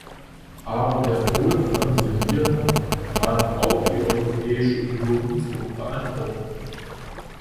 Aber der Tod von Semira mahnt auch die Europäische Union zur Verantwortung.